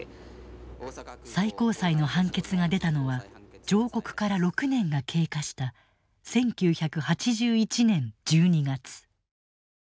最高裁の判決が出たのは上告から６年が経過した１９８１年１２月。